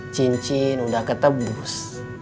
cincin udah ketebus